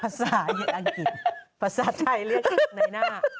ภาษาอังกฤษภาษาไทยเรียกในหน้า